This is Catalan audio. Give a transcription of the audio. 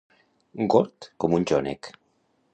Gord com un jònec.